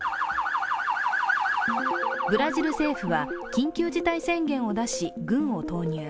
ブラジル政府は緊急事態宣言を出し、軍を投入。